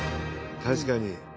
確かに。